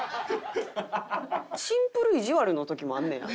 シンプル意地悪の時もあんねや。